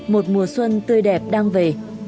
một mùa xuân tươi đẹp đang về